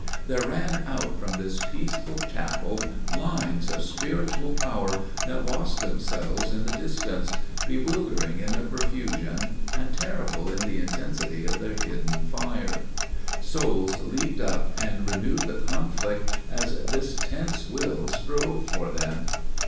There ran out from this peaceful chapel lines of spiritual power that lost themselves in the distance, bewildering in their profusion and terrible in the intensity of their hidden fire. Souls leaped up and renewed the conflict as this tense will strove for them.